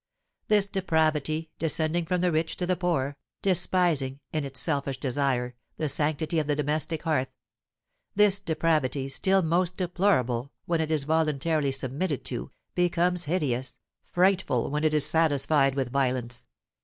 This depravity, descending from the rich to the poor, despising (in its selfish desire) the sanctity of the domestic hearth, this depravity, still most deplorable when it is voluntarily submitted to, becomes hideous, frightful, when it is satisfied with violence.